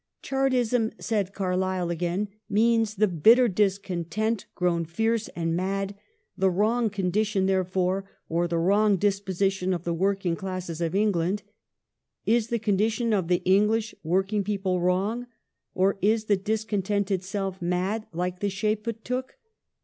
"Chartism," said Carlyle again, "means the bitter discontent grown fierce and mad, the wrong condition, therefore, or the wrong disposition of the work ing classes of England. ... Is the condition of the English work ing people wrong ?... Or is the discontent itself mad like the shape it took